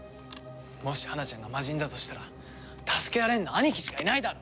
もし花ちゃんが魔人だとしたら助けられるの兄貴しかいないだろ！